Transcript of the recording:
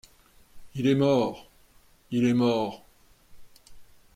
Il est mort! il est mort !